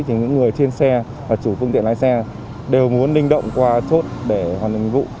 thì những người trên xe và chủ phương tiện lái xe đều muốn linh động qua chốt để hoàn thành nhiệm vụ